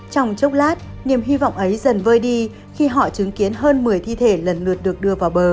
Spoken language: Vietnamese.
trong chốc lát niềm hy vọng ấy dần vơi đi khi họ chứng kiến hơn một mươi thi thể lần lượt được đưa vào bờ